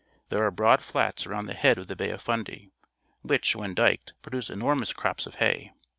There are broad flats around the head of the Bay of Fundy, which, when diked, produce enormous crops of hay.